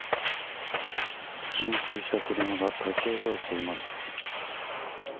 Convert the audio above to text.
浸水した車が立ち往生しています。